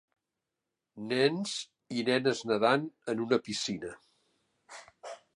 nens i nenes nedant en una piscina.